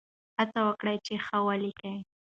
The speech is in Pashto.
هڅه وکړئ چې ښه ولیکئ.